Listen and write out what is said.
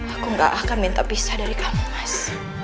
aku nggak akan minta pisah dari kamu mas